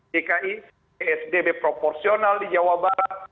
dki psbb proporsional di jawa barat